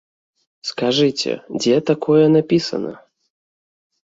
Скажыце, дзе такое напісана?